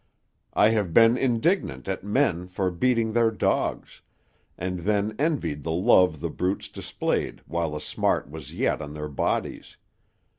I have been indignant at men for beating their dogs, and then envied the love the brutes displayed while the smart was yet on their bodies.